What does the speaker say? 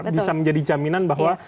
bisa menjadi jaminan bahwa